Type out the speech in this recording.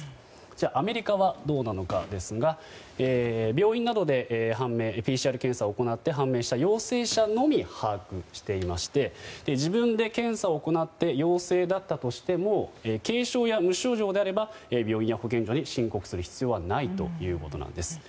じゃあアメリカはどうなのかですが病院などでＰＣＲ検査を行って判明した陽性者のみ把握していまして自分で検査を行って陽性だったとしても軽症や無症状であれば病院や保健所に申告する必要はないということなんです。